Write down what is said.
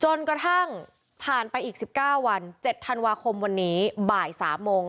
จนกระทั่งผ่านไปอีกสิบเก้าวันเจ็ดธันวาคมวันนี้บ่ายสามโมง